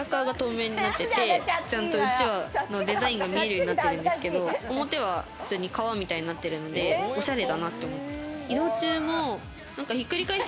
ちゃんと、うちわのデザインが見えるようになってるんですけど、表は革みたいになってるのでオシャレだなと思って。